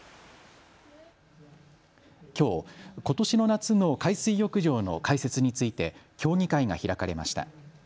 きょう、ことしの夏の海水浴場の開設について協議会が開かれました。